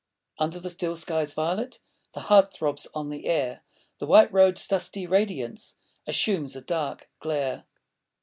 Under the still sky's violet The heat thróbs on the air.... The white road's dusty radiance Assumes a dark glare.